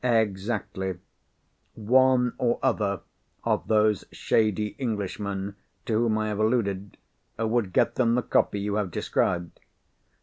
"Exactly. One or other of those shady Englishmen to whom I have alluded, would get them the copy you have described.